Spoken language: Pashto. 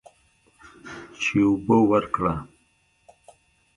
چې اوبه ورکړه.